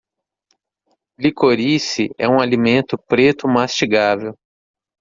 Licorice é um alimento preto mastigável.